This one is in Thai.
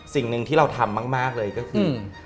สิ่งหนึ่งที่เราทำมากเลยก็คือ